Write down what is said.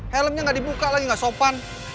helmnya gak dibuka lagi gak sopan